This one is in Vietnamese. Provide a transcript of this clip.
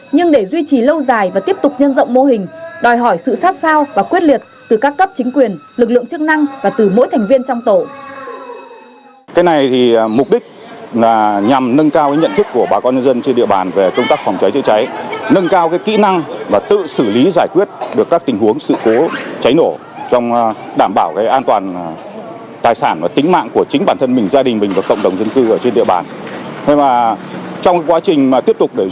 nhưng để duy trì lâu dài và tiếp tục nhân rộng mô hình đòi hỏi sự sát sao và quyết liệt từ các cấp chính quyền lực lượng chức năng và từ mỗi thành viên trong tổ